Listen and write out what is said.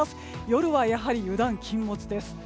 夜はやはり油断禁物です。